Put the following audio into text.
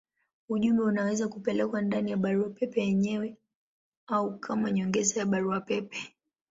Ujumbe unaweza kupelekwa ndani ya barua pepe yenyewe au kama nyongeza ya barua pepe.